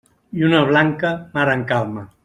Lluna blanca, mar en calma.